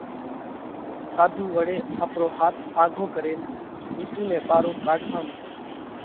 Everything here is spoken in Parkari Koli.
ساڌُو وۯي آپرو هاٿ آگھو ڪرينَ وِيسُو نئہ ٻارو ڪاڍوا مڏيا۔